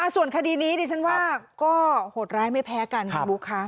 ส่วนคดีนี้ดิฉันว่าก็หอดร้ายไม่แพ้กันครับ